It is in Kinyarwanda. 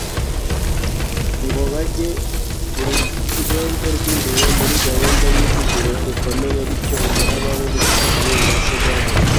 ngo bajye ku ruhembe rw'imbere muri gahunda y'ivugurura rikomeye bityo umuraba w'ubuhakanyi ubashe guhagarikwa